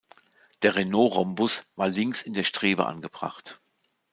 Der Renault-Rhombus war links in der Strebe angebracht.